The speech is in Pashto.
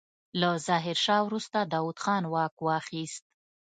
له ظاهرشاه وروسته داوود خان واک واخيست.